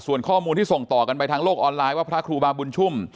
ส่วนข้อมูลที่ส่งต่อกันไปทางโลกออนไลน์ว่าพระครูบาบุญชุ่ม